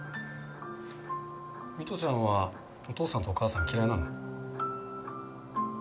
美都ちゃんはお父さんとお母さん嫌いなの？